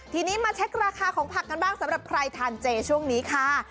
ทีนี้มาเช็คราคาของผักกันบ้างสำหรับใครทานเจช่วงนี้ค่ะ